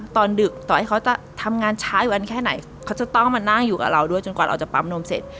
ดึกต่อให้เขาจะทำงานช้าอยู่วันแค่ไหนเขาจะต้องมานั่งอยู่กับเราด้วยจนกว่าเราจะปั๊มนมเสร็จ